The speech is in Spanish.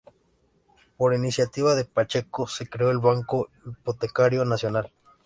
Por iniciativa de Pacheco se creó el Banco Hipotecario Nacional.